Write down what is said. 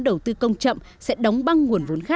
đầu tư công chậm sẽ đóng băng